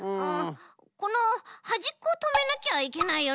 このはじっこをとめなきゃいけないよね。